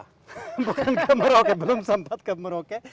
bukan ke merauke belum sempat ke merauke